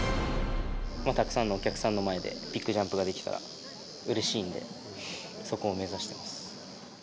たくさんのお客さんの前でビッグジャンプができたらうれしいんで、そこを目指してます。